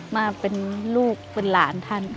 มาเป็นลูกเป็นหลานท่าน